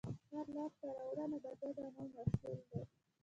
هره لاستهراوړنه د ګډ عمل محصول ده.